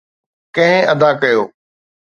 ڪنهن ادا ڪيو؟